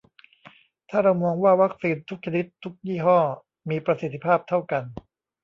ถ้าเรามองว่าวัคซีนทุกชนิดทุกยี่ห้อมีประสิทธิภาพเท่ากัน